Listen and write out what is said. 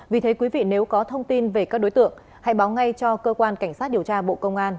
vì thế quý vị nếu có thông tin về các đối tượng hãy báo ngay cho cơ quan cảnh sát điều tra bộ công an